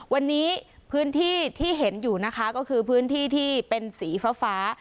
วันนี้พื้นที่ที่เห็นอยู่นะคะก็คือพื้นที่ที่เป็นสีฟ้า